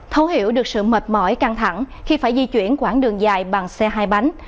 thấu hiểu được sự mệt mỏi căng thẳng khi phải di chuyển quãng đường dài bằng xe hai bánh